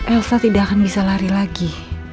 elsa tidak akan bisa lari lagi